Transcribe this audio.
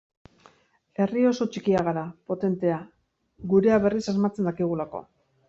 Herri oso txikia gara, potentea gurea berriz asmatzen dakigulako.